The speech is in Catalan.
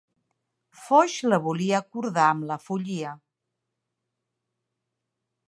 Foix la volia acordar amb la Follia.